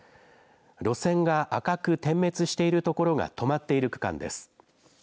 路線が赤く点滅している所が止まっている区間です。